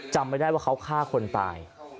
จำไม่ได้ว่าเขาฆ่าคนตาย